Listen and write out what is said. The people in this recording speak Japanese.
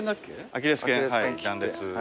アキレス腱断裂。